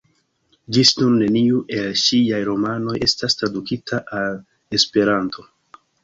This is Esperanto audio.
Ĝis nun neniu el ŝiaj romanoj estas tradukita al Esperanto.